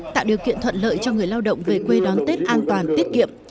tạo điều kiện thuận lợi cho người lao động về quê đón tết an toàn tiết kiệm